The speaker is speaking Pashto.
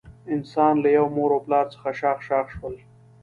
انسانان له یوه مور او پلار څخه شاخ شاخ شول.